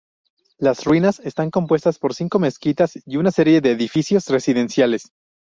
Las ruinas están compuestas por cinco mezquitas y de una serie de edificios residenciales.